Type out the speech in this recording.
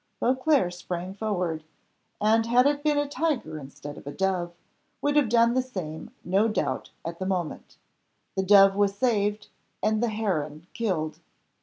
Beauclerc sprang forward, and, had it been a tiger instead of a dove, would have done the same no doubt at that moment; the dove was saved, and the heron killed.